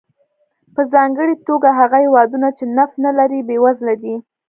په ځانګړې توګه هغه هېوادونه چې نفت نه لري بېوزله دي.